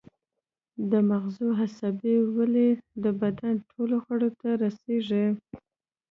د مغزو عصبي ولۍ د بدن ټولو غړو ته رسیږي